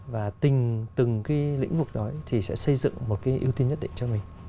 và từng từng cái lĩnh vực đó thì sẽ xây dựng một cái ưu tiên nhất định cho mình